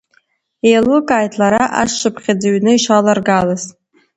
Еилылкааит лара ашшаԥхьыӡ ҩны иша-ларгалаз.